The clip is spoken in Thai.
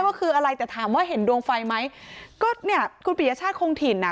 ว่าคืออะไรแต่ถามว่าเห็นดวงไฟไหมก็เนี่ยคุณปียชาติคงถิ่นอ่ะ